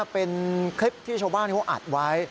เป็นคลิปที่ชาวบ้านเขาอัดไว้